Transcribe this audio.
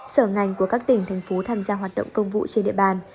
sở ngành của các tỉnh thành phố tham gia hoạt động công vụ trên địa bàn